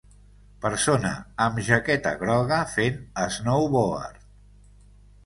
Persona amb jaqueta groga fent snowboard